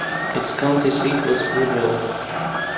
Its county seat was Woodville.